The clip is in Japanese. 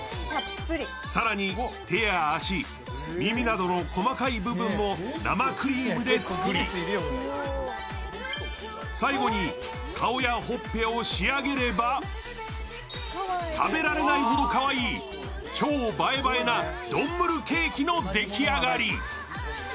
更に、手や足、耳などの細かい部分を生クリームで作り、最後に顔やほっぺを仕上げれば食べられないほどかわいい、超映え映えなドンムルケーキの出来上がり。